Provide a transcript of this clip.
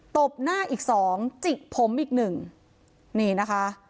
ตบหน้าอีก๒จิกผมอีก๑นี่นะคะ